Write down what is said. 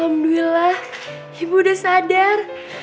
alhamdulillah ibu udah sadar